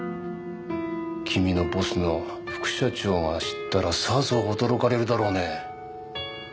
君のボスの副社長が知ったらさぞ驚かれるだろうね。